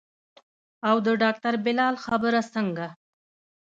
او د ډاکتر بلال خبره څنګه.